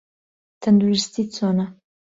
تەندروستیت چۆنە؟